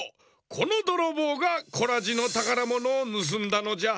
このどろぼうがコラジのたからものをぬすんだのじゃ。